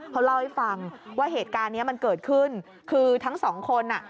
เขาเล่าให้ฟังว่าเหตุการณ์นี้มันเกิดขึ้นคือทั้งสองคนอ่ะ